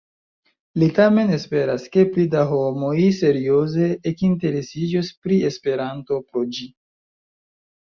Li tamen esperas, ke pli da homoj serioze ekinteresiĝos pri Esperanto pro ĝi.